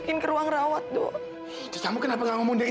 hipertensi kamu umat lagi